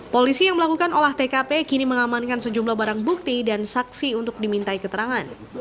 polisi yang melakukan olah tkp kini mengamankan sejumlah barang bukti dan saksi untuk dimintai keterangan